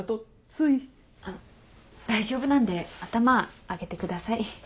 あっ大丈夫なんで頭上げてください。